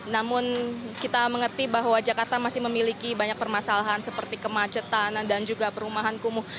namun kita mengerti bahwa jakarta masih memiliki banyak permasalahan seperti kemacetan dan juga perumahan kumuh